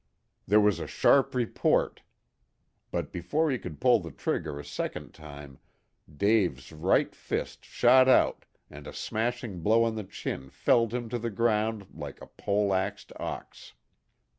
There was a sharp report. But before he could pull the trigger a second time Dave's right fist shot out, and a smashing blow on the chin felled him to the ground like a pole axed ox.